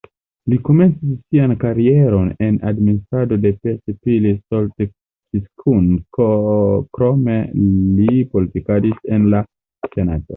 Li komencis sian karieron en administrado de Pest-Pilis-Solt-Kiskun, krome li politikadis en la senato.